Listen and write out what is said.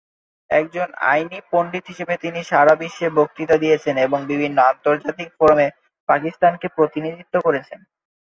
একজন আইনি পণ্ডিত হিসেবে, তিনি সারা বিশ্বে বক্তৃতা দিয়েছেন এবং বিভিন্ন আন্তর্জাতিক ফোরামে পাকিস্তানকে প্রতিনিধিত্ব করেছেন।